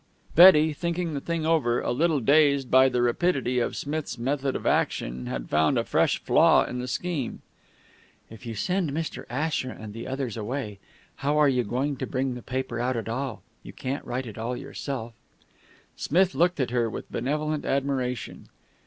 Betty, thinking the thing over, a little dazed by the rapidity of Smith's method of action, had found a fresh flaw in the scheme. "If you send Mr. Asher and the others away, how are you going to bring the paper out at all? You can't write it all yourself." Smith looked at her with benevolent admiration.